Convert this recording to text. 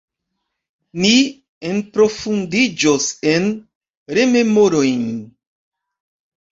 Ni enprofundiĝos en rememorojn.